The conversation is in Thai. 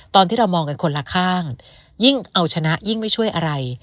ตอนที่เรามองกันคนละข้างยิ่งเอาชนะยิ่งไม่ช่วยอะไร